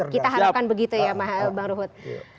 kita harapkan begitu ya bang ruhut